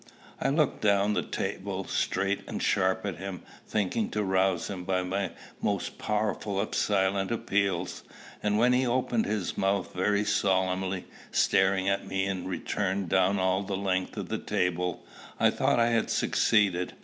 I looked down the table, straight and sharp at him, thinking to rouse him by the most powerful of silent appeals; and when he opened his mouth very solemnly, staring at me in return down all the length of the table, I thought I had succeeded.